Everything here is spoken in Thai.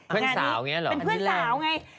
เพื่อนสาวอย่างนี้เหรอเป็นเพื่อนสาวไง